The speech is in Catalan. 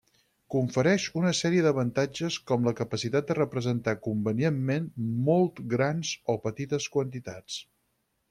Confereix una sèrie d'avantatges, com la capacitat de representar convenientment molt grans o petites quantitats.